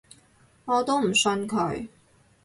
我都唔信佢